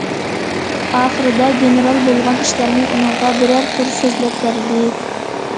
ئاخىرىدا گېنېرال بولغان ئىشلارنى ئۇنىڭغا بىرەر قۇر سۆزلەپ بەردى.